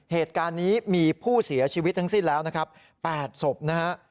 เหตุการณ์นี้มีผู้เสียชีวิตทั้งสิ้นแล้วนะครับ๘ศพนะฮะ